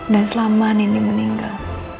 dan selama nindi meninggal